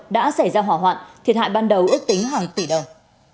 đã xảy ra hỏa hoạn thiệt hại ban đầu ước tính hàng tỷ đồng